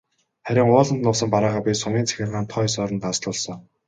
Харин ууланд нуусан бараагаа би сумын захиргаанд тоо ёсоор нь данслуулсан.